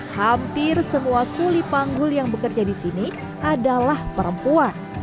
hampir semua kulipanggul yang bekerja di sini adalah perempuan